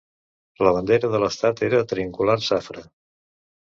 La bandera de l'estat era triangular safra.